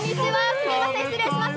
すみません、失礼します。